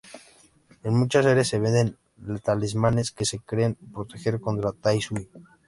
En muchas áreas se venden talismanes que se creen proteger contra el Tai Sui.